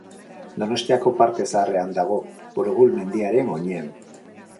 Donostiako Parte Zaharrean dago, Urgull mendiaren oinean.